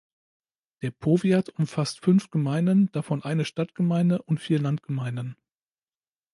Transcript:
Der Powiat umfasst fünf Gemeinden, davon eine Stadtgemeinde und vier Landgemeinden.